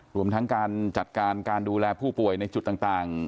รวมทั้งการจัดการการดูแลผู้ป่วยในจุดต่าง